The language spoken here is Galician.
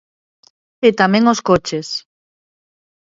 E tamén os coches.